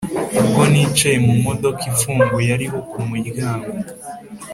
Ubwo nicaye mu mudoka ifunguye ariho ku muryango